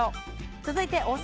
続いて、大阪。